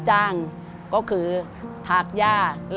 สวัสดีครับ